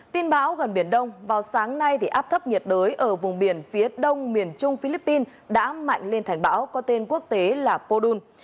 tin báo gần biển đông vào sáng nay áp thấp nhiệt đới ở vùng biển phía đông miền trung philippines đã mạnh lên thành bão có tên quốc tế là podun